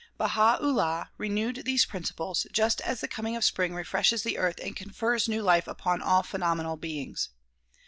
Baiia 'Ullaii renewed these principles, just as the coming of spring refreshes the earth and confers new life upon all phenomenal beings.